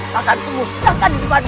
maka aku musnahkan di depan matamu